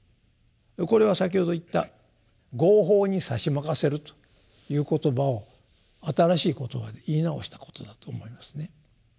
これは先ほど言った「業報にさしまかせる」という言葉を新しい言葉で言い直したことだと思いますね。